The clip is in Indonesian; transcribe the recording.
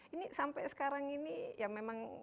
ini sampai sekarang ini ya memang